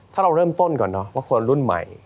ถ้าเราเริ่มต้นก่อนเนอะว่าคนรุ่นใหม่